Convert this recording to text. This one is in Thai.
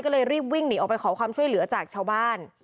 ก็เลยรีบวิ่งหนีออกไปขอความช่วยเหลือจากชาวบ้าน